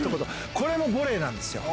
これもボレーなんですよ。